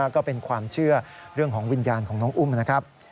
ก็เป็นความเชื่อเรื่องของวิญญาณของน้องอุ้มนะครับ